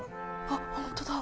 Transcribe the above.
あっ本当だ。